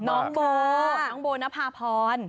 น้องโบน้องโบนภาพร